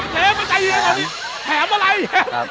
เชฟมันใจเย็นกว่านี้แผมอะไรอีก